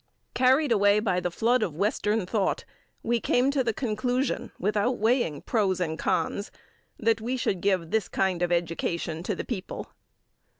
Carried away by the flood of western thought, we came to the conclusion, without weighing pros and cons, that we should give this kind of education to the people.